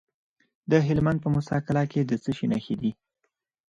د هلمند په موسی قلعه کې د څه شي نښې دي؟